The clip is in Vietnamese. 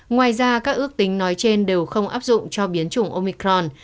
ngoài ra các ước tính nói trên đều không áp dụng cho biến chủng omicron